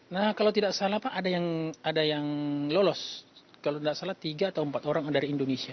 nah kalau tidak salah pak ada yang lolos kalau tidak salah tiga atau empat orang dari indonesia